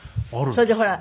それでほら